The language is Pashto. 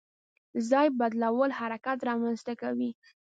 ځای بدلول حرکت رامنځته کوي.